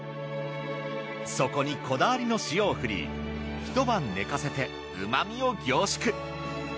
そこにこだわりの塩を振りひと晩寝かせて旨みを凝縮。